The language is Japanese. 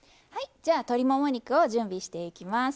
じゃあ鶏もも肉を準備していきます。